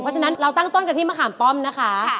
เพราะฉะนั้นเราตั้งต้นกันที่มะขามป้อมนะคะ